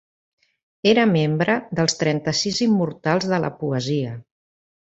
Era membre dels Trenta-sis immortals de la poesia.